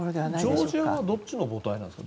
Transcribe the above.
ジョージアはどっちの母体なんですか？